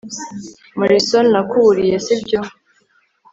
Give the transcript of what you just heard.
morrison.nakuburiye, si byo